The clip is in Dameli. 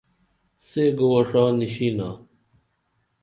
سے گوعہ ڜا نیشینا